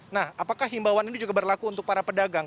nah apakah himbauan ini juga berlaku untuk para pedagang